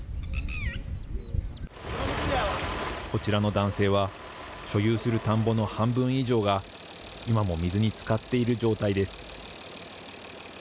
こちらの男性は、所有する田んぼの半分以上が、今も水につかっている状態です。